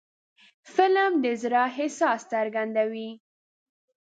فلم د زړه احساس څرګندوي